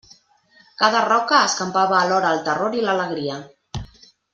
Cada roca escampava alhora el terror i l'alegria.